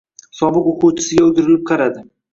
Sobiq oʻquvchisiga oʻgirilib qaradi